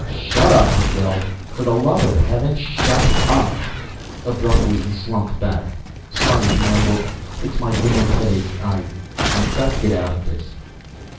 "Shut up!" he yelled. "For the love of Heaven, shut up!" Abruptly he slumped back. "Sorry," he mumbled. "It's my damned headache. I I've got to get out of this."